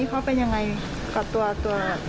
เอ่อเขากลับในครอบครัวนี้เขาเป็นยังไง